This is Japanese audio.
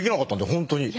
本当に。